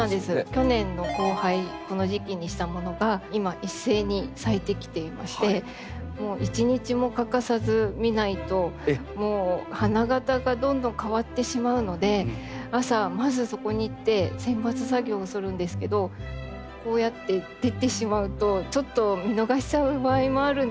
去年の交配この時期にしたものが今一斉に咲いてきていまして一日も欠かさず見ないともう花形がどんどん変わってしまうので朝まずそこに行って剪伐作業をするんですけどこうやって出てしまうとちょっと見逃しちゃう場合もあるんですが。